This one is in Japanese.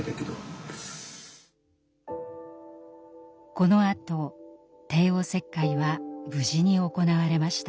このあと帝王切開は無事に行われました。